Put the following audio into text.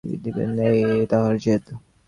নিজের মেয়েটিকে সমাজে বিবাহ দিবেন এই তাঁহার জেদ।